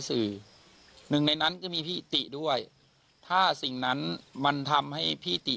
สื่อหนึ่งในนั้นก็มีพี่ติด้วยถ้าสิ่งนั้นมันทำให้พี่ติ